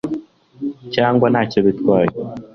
cyangwa ntacyo bitwaye